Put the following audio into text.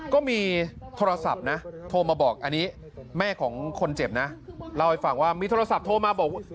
ก็มีโทรศัพท์นะโทรมาบอกอันนี้แม่ของคนเจ็บนะเล่าให้ฟังว่ามีโทรศัพท์โทรมาบอกว่า